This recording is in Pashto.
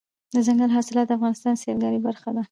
دځنګل حاصلات د افغانستان د سیلګرۍ برخه ده.